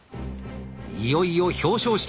いよいよ表彰式。